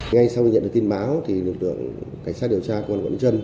ngay sau nhận được tin báo thì lực lượng cảnh sát điều tra của quận lê trần